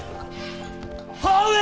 母上！